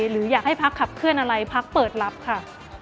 หรืออยากให้พักขับเคลื่อนอะไรพักเปิดรับค่ะ